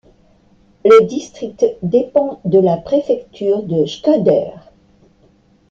Le district dépend de la préfecture de Shkodër.